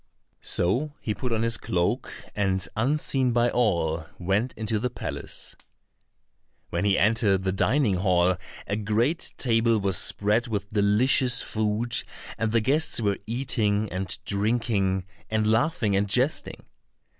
So he put on his cloak, and unseen by all went into the palace. When he entered the dining hall a great table was spread with delicious food, and the guests were eating and drinking, and laughing, and jesting.